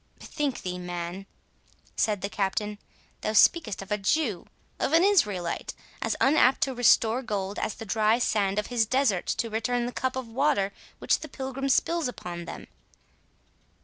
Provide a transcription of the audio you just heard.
"Bethink thee, man," said the Captain, "thou speakest of a Jew—of an Israelite,—as unapt to restore gold, as the dry sand of his deserts to return the cup of water which the pilgrim spills upon them."